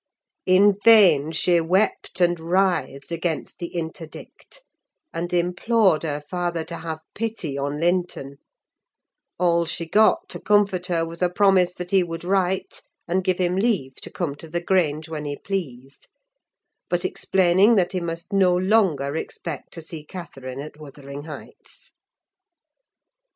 In vain she wept and writhed against the interdict, and implored her father to have pity on Linton: all she got to comfort her was a promise that he would write and give him leave to come to the Grange when he pleased; but explaining that he must no longer expect to see Catherine at Wuthering Heights.